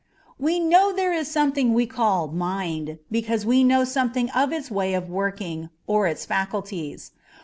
We know there is something we call mind, because we know something of its way of working, or its faculties.